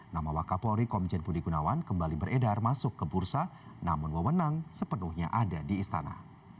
nama wakapolri komjen budi gunawan kembali beredar masuk ke bursa namun wewenang sepenuhnya ada di istana